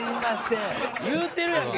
「言うてるやんけ！